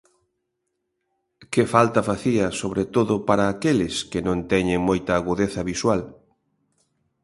Que falta facía sobre todo para aqueles que non teñen moita agudeza visual.